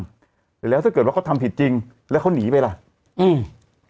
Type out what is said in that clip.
แล้วถ้าเกิดว่าเขาทำผิดจริงแล้วเขาหนีไปล่ะอืม